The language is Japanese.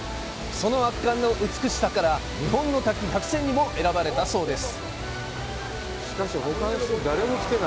その圧巻の美しさから、「日本の滝１００選」にも選ばれたそうです。